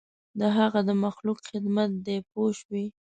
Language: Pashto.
د هغه د مخلوق خدمت دی پوه شوې!.